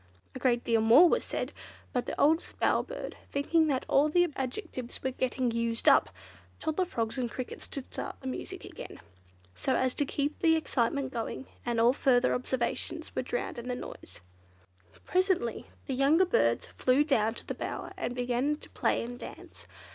A great deal more was said, but the oldest bower bird, thinking that all the adjectives were getting used up, told the frogs and crickets to start the music again, so as to keep the excitement going, and all further observations were drowned in the noise. Presently the younger birds flew down to the bower, and began to play and dance.